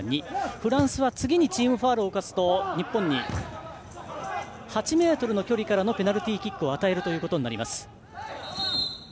フランスは次にチームファウルを冒すと日本に８ｍの距離からのペナルティーキックを与えるということになります。